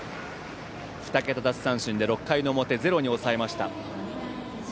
２桁奪三振で６回の表ゼロに抑えました。